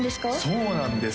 そうなんです